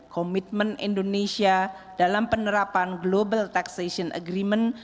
komitmen indonesia dalam penerapan global taxation agreement